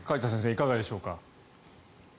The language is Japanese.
いかがでしょうか。